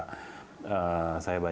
saya banyak berpengalaman